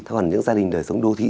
thế còn những gia đình đời sống đô thị